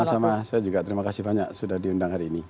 sama sama saya juga terima kasih banyak sudah diundang hari ini